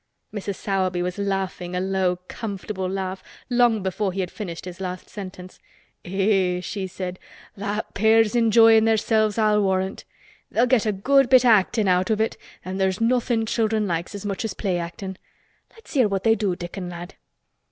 Mrs. Sowerby was laughing a low comfortable laugh long before he had finished his last sentence. "Eh!" she said, "that pair's enjoyin' theirselves I'll warrant. They'll get a good bit o' actin' out of it an' there's nothin' children likes as much as play actin'. Let's hear what they do, Dickon lad."